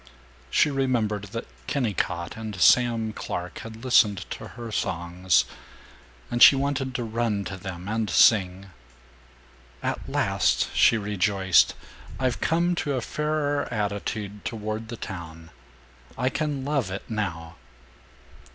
She remembered that Kennicott and Sam Clark had listened to her songs, and she wanted to run to them and sing. "At last," she rejoiced, "I've come to a fairer attitude toward the town. I can love it, now."